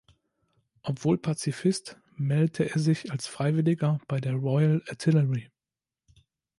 Obwohl Pazifist, meldete er sich als Freiwilliger bei der Royal Artillery.